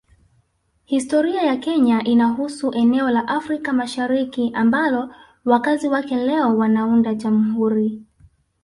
Historia ya Kenya inahusu eneo la Afrika Mashariki ambalo wakazi wake leo wanaunda Jamhuri